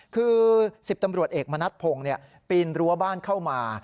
คือ๑๐ตำรวจเอกมณัฐพงศ์ปีนรั้วบ้านเข้ามา